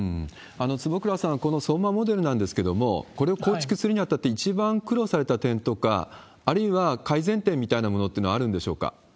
坪倉さんは、この相馬モデルなんですけれども、これを構築するに当たって一番苦労された点とか、あるいは改善点みたいなものっていうのはある